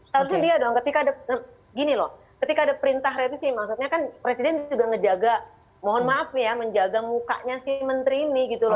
seharusnya dia dong ketika gini loh ketika ada perintah revisi maksudnya kan presiden juga ngejaga mohon maaf ya menjaga mukanya si menteri ini gitu loh